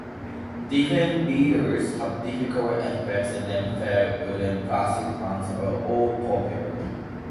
Different beaters have different effects, and felt, wood and plastic ones are all popular.